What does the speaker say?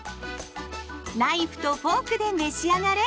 ナイフとフォークで召し上がれ！